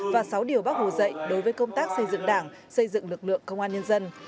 và sáu điều bác hồ dạy đối với công tác xây dựng đảng xây dựng lực lượng công an nhân dân